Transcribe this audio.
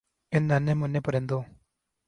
ان ننھے مننھے پرندوں